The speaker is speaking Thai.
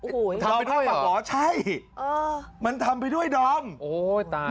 โอ้โหทำไปด้วยปากหรอใช่เออมันทำไปด้วยดอมโอ้ยตาย